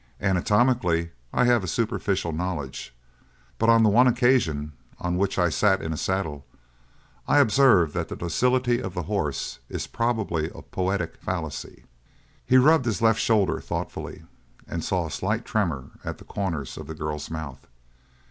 Anatomically I have a superficial knowledge, but on the one occasion on which I sat in a saddle I observed that the docility of the horse is probably a poetic fallacy." He rubbed his left shoulder thoughtfully and saw a slight tremor at the corners of the girl's mouth.